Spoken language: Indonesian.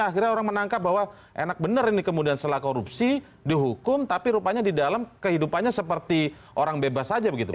akhirnya orang menangkap bahwa enak benar ini kemudian setelah korupsi dihukum tapi rupanya di dalam kehidupannya seperti orang bebas saja begitu pak